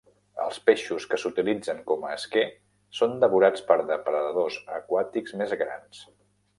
Els peixos que s'utilitzen com a esquer són devorats per depredadors aquàtics més grans.